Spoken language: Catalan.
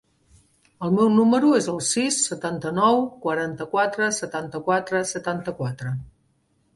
El meu número es el sis, setanta-nou, quaranta-quatre, setanta-quatre, setanta-quatre.